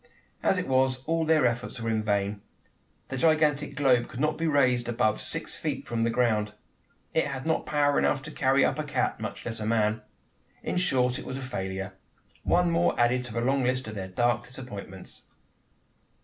As it was, all their efforts were in vain. The gigantic globe could not be raised above six feet from the ground. It had not power enough to carry up a cat much less a man. In short, it was a failure one more added to the long list of their dark disappointments!